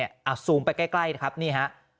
นี่อัพซูมไปใกล้นะครับนี่ฮะ